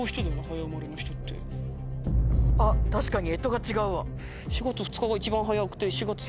あっ確かに干支が違うわ。